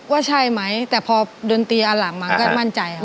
ว่าใช่ไหมแต่พอดนตรีอันหลังมาก็มั่นใจค่ะ